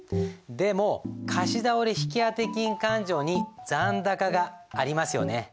でも貸倒引当金勘定に残高がありますよね。